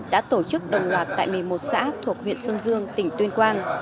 đã tổ chức đồng loạt tại một mươi một xã thuộc huyện sơn dương tỉnh tuyên quang